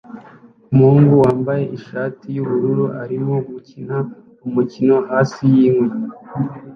Umuhungu wambaye ishati yubururu arimo gukina umukino hasi yinkwi